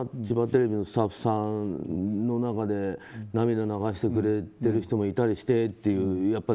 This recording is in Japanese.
千葉テレビのスタッフさんの中で涙流してくれてる人もいたりしてっていう。